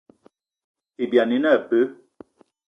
Ibyani ine abe.